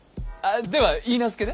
では許嫁で？